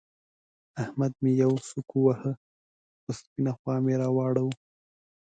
احمد مې يوه سوک وواهه؛ پر سپينه خوا مې را واړاوو.